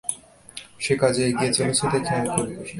সে কাজে এগিয়ে চলেছে দেখে আমি খুব খুশী।